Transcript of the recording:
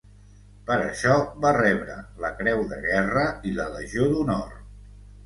Per això va rebre la Creu de Guerra i la Legió d'Honor.